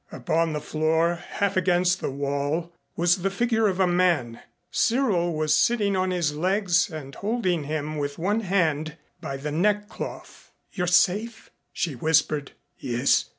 Upon the floor, half against the wall, was the figure of a man. Cyril was sitting on his legs and holding him with one hand by the neck cloth. "You're safe?" she whispered. "Yes.